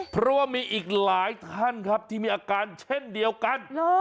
เพราะว่ามีอีกหลายท่านครับที่มีอาการเช่นเดียวกัน